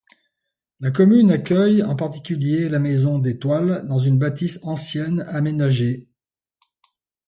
La commune accueille en particulier la Maison des Toiles dans une bâtisse ancienne aménagée.